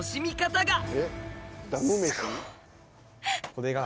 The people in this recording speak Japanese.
これが。